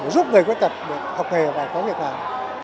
giúp người khuyết tật được học nghề và có việc làm